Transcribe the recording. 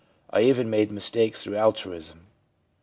I even made mistakes through altruism.'